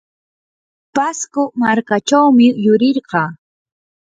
pasco markachawmi yurirqaa.